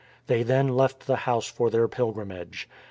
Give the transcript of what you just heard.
They then left the house for their pilgrimage.